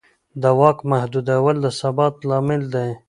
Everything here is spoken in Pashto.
د واک محدودول د ثبات لامل دی